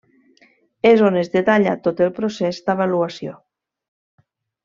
És on es detalla tot el procés d'avaluació.